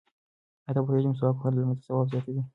ایا ته پوهېږې چې مسواک وهل د لمانځه ثواب زیاتوي؟